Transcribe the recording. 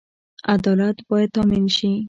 عدالت باید تامین شي